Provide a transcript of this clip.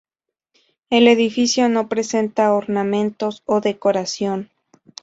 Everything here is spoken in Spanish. El edificio no presenta ornamentos o decoración.